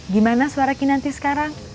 gimana suara kinanti sekarang